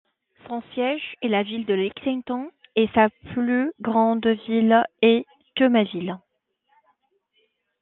Son siège est la ville de Lexington et sa plus grande ville est Thomasville.